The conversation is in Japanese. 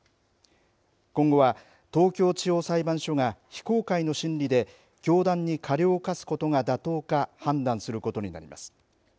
今後は東京地方裁判所が非公開の審理で教団に過料を科すことが妥当か判断することになります。